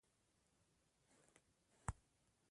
د حجروي دیوال له یو سوري څخه تېریږي.